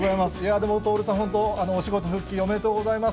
でも徹さん、お仕事復帰、おめでとうございます。